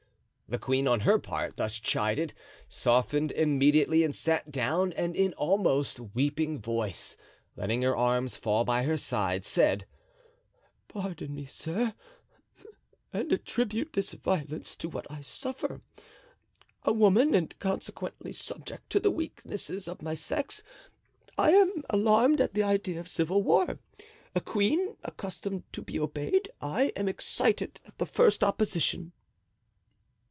The queen, on her part, thus chided, softened immediately and sat down, and in an almost weeping voice, letting her arms fall by her side, said: "Pardon me, sir, and attribute this violence to what I suffer. A woman, and consequently subject to the weaknesses of my sex, I am alarmed at the idea of civil war; a queen, accustomed to be obeyed, I am excited at the first opposition."